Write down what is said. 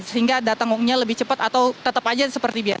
sehingga datangnya lebih cepat atau tetap aja seperti biasa